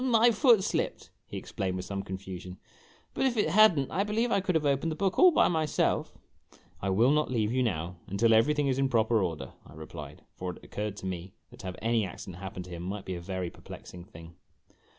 "My foot slipped," he explained with some confusion; "but if it had n't, I believe I could have opened the book all by myself! "" I will not leave you, now, until everything is in proper order," I replied ; for it occurred to me that to have any accident happen to him might be a very perplexing thing.